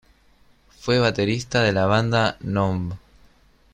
Fue baterista de la banda "n.u.m.b.